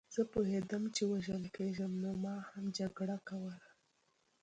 زه پوهېدم چې وژل کېږم نو ما هم جګړه کوله